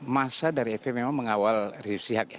masa dari fb memang mengawal resipsi hak ya